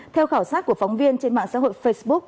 theo khảo sát của phóng viên trên mạng xã hội facebook